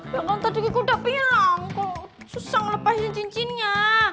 ya kan tadi gue udah bilang kok susah ngelepasin cincinnya